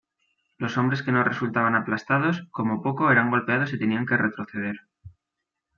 Los hombres que no resultaban aplastados, como poco eran golpeados y tenían que retroceder.